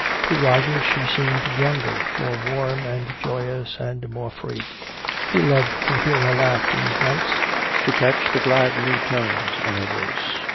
To Roger she seemed younger, more warm and joyous and more free. He loved to hear her laugh these nights, to catch the glad new tones in her voice.